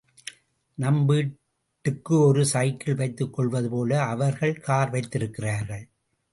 நாம் வீட்டுக்கு ஒரு சைக்கிள் வைத்துக்கொள்வது போல அவர்கள் கார் வைத்திருக்கிறார்கள்.